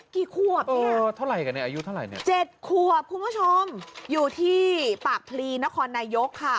กี่ขวบเนี่ยเจ็ดขวบคุณผู้ชมอยู่ที่ปากพลีนครนายกค่ะ